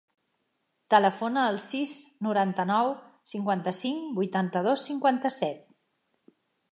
Telefona al sis, noranta-nou, cinquanta-cinc, vuitanta-dos, cinquanta-set.